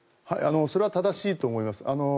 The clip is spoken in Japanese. それは正しいと思います。